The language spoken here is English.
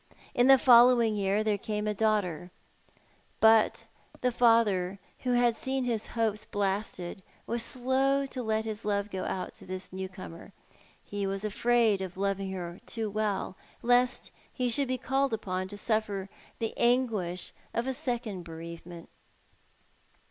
In the following year there came a daughter, but the father, who had seen his hopes blasted was slow to let his love go out to this new comer. He was afraid of loving her too well, lest he should be called upon to suffer the anguish of a second bereavement.